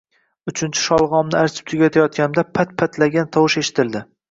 Uchinchi sholg‘omni archib tugatayotganimda, “pat-pat”lagan tovush eshitildi